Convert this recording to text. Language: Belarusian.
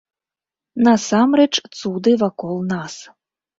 Насамрэч цуды вакол нас.